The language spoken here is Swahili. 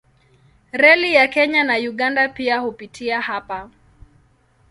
Reli ya Kenya na Uganda pia hupitia hapa.